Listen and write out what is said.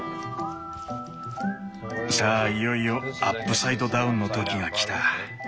さあいよいよアップサイドダウンの時が来た。